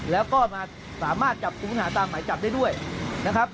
แล้วก็มาสามารถจับกลุ่มหาตามหมายจับได้ด้วยนะครับ